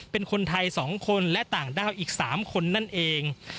เป็นคนไทย๒คนและต่างด้าวอีก๓คนนั่นเอง